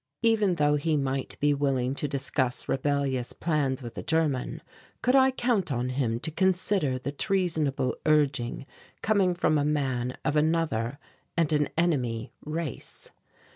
Even though he might be willing to discuss rebellious plans with a German, could I count on him to consider the treasonable urging coming from a man of another and an enemy race?